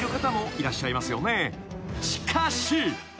［しかし］